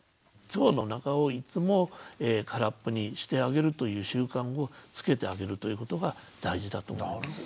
腸の中をいつも空っぽにしてあげるという習慣をつけてあげるということが大事だと思います。